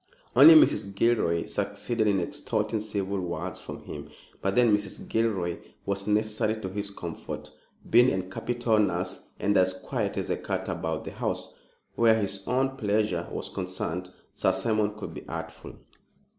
Only Mrs. Gilroy succeeded in extorting civil words from him, but then Mrs. Gilroy was necessary to his comfort, being a capital nurse and as quiet as a cat about the house. Where his own pleasure was concerned Sir Simon could be artful.